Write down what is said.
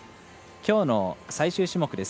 きょうの最終種目です。